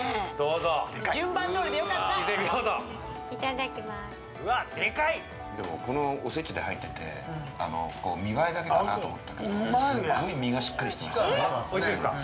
うわっデカいでもこのおせちで入ってて見栄えだけかなと思ったけどすっごい身がしっかりしてますねおいしいですか？